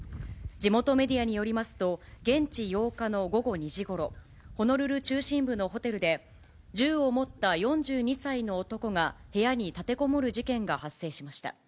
地元メディアによりますと、現地８日の午後２時ごろ、ホノルル中心部のホテルで、銃を持った４２歳の男が、部屋に立てこもる事件が発生しました。